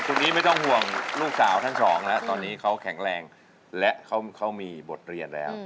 คนนี้ไม่ต้องห่วงลูกสาวทั้งสองแล้วตอนนี้เขาแข็งแรงและเขามีบทเรียนแล้ว